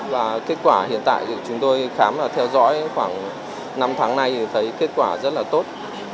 và kết quả hiện tại thì chúng tôi khám và theo dõi khoảng năm tháng nay thì thấy kết quả rất là tốt